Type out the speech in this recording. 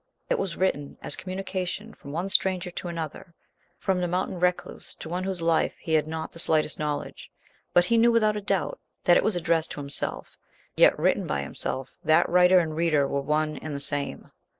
It was written as a communication from one stranger to another, from the mountain recluse to one of whose life he had not the slightest knowledge; but he knew without doubt that it was addressed to himself, yet written by himself, that writer and reader were one and the same.